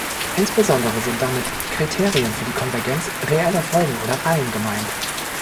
Insbesondere sind damit Kriterien für die Konvergenz reeller Folgen oder Reihen gemeint.